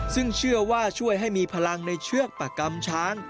ซึ่งเชื่อว่าช่วยให้มีพลังในเชือกประกรรมช้าง